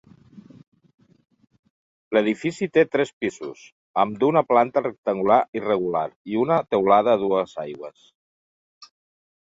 L'edifici té tres pisos, amb d'una planta rectangular irregular i una teulada a dues aigües.